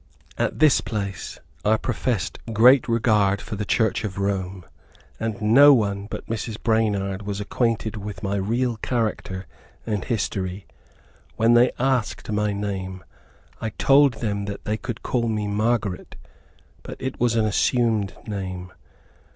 At this place I professed great regard for the Church of Rome, and no one but Mrs. Branard was acquainted with my real character and history. When they asked my name, I told them they could call me Margaret, but it was an assumed name.